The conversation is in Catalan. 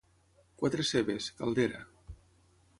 Quatre cebes, caldera.